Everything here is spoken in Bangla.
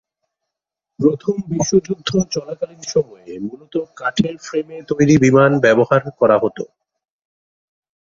প্রথম বিশ্বযুদ্ধ চলাকালীন সময়ে মূলত কাঠের ফ্রেমে তৈরী বিমান ব্যবহার করা হত।